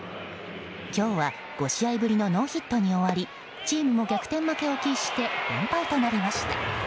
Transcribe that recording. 今日は５試合ぶりのノーヒットに終わりチームも逆転負けを喫して連敗となりました。